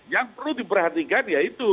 yang perlu diperhatikan ya itu